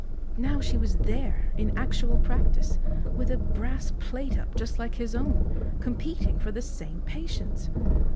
Now she was there in actual practice, with a brass plate up just like his own, competing for the same patients.